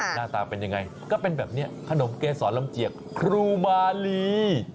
หน้าตาเป็นยังไงก็เป็นแบบนี้ขนมเกษรลำเจียกครูมาลี